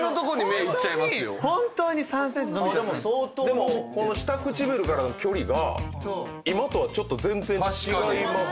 でもこの下唇からの距離が今とはちょっと全然違います。